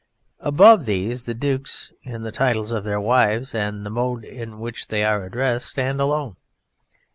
Above these, the dukes in the titles of their wives and the mode in which they are addressed stand alone.